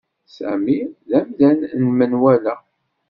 Sami d amdan n menwala.